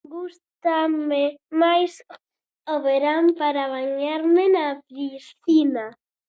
Gústame máis o verán para bañarme na piscina.